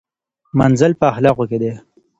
منزلت په اخلاقو کې دی.